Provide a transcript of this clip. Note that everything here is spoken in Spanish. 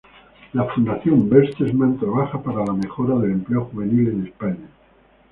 La Fundación Bertelsmann trabaja por la mejora del empleo juvenil en España.